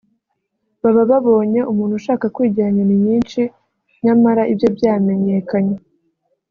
baba babonye umuntu ushaka kwigira nyoni nyinshi nyamara ibye byamenyekanye